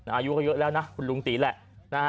อายุก็เยอะแล้วนะคุณลุงตี๋แหละ